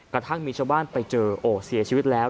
กระทั่งมีชาวบ้านไปเจอโอ้เสียชีวิตแล้ว